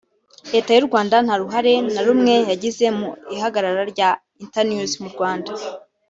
Leta y’u Rwanda nta ruhare na rumwe yagize mu ihagarara rya Internews mu Rwanda